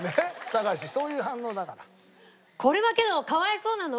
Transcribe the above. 高橋そういう反応だから。